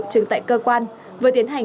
trừng tại cơ quan vừa tiến hành